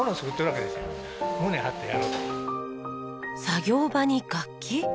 作業場に楽器？